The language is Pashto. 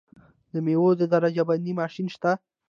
د میوو د درجه بندۍ ماشین شته؟